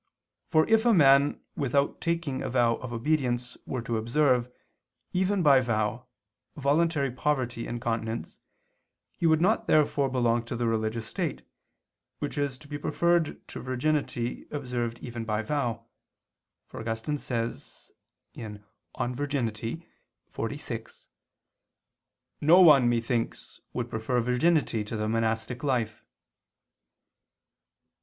For if a man without taking a vow of obedience were to observe, even by vow, voluntary poverty and continence, he would not therefore belong to the religious state, which is to be preferred to virginity observed even by vow; for Augustine says (De Virgin. xlvi): "No one, methinks, would prefer virginity to the monastic life."